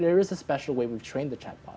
ada cara khusus untuk mengajar chatbot